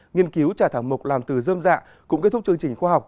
nghiên cứu trả thảo mộc làm từ dơm dạ cũng kết thúc chương trình khoa học